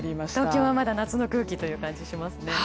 東京は、まだ夏の空気の感じがしますね。